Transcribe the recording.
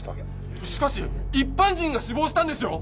いやしかし一般人が死亡したんですよ。